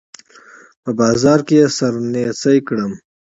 په بازار کې يې سره نيڅۍ کړم